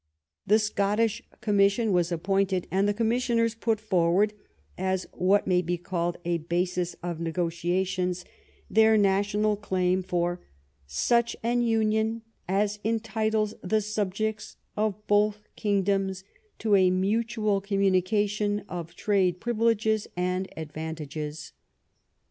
The Scottish commission was appointed, and the commissioners put forward, as what may be called a basis of negotiations, their national claim for '' such an union as entitles the subjects of both kingdoms to a mutual communication of trade privileges and ad vantages."